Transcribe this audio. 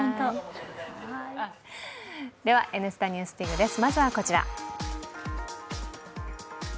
では「Ｎスタ・ＮＥＷＳＤＩＧ」です。